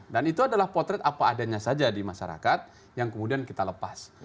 dan itu adalah potret apa adanya saja di masyarakat yang kemudian kita lepas